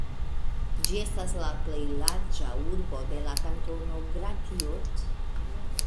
Ĝi estas la plej larĝa urbo de la kantono Gratiot.